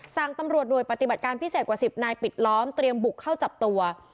สั่งตำรวจหน่วยปฏิบัติการพิเศษกว่า๑๐นายปิดล้อมเตรียมบุกเข้าจับตัว